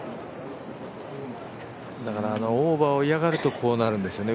だからオーバーを嫌がると、こうなるんですよね。